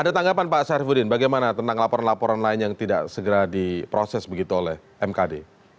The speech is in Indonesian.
ada tanggapan pak syarifudin bagaimana tentang laporan laporan lain yang tidak segera diproses begitu oleh mkd